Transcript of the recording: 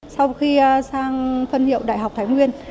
sau khi sang phân hiệu đại học thái nguyên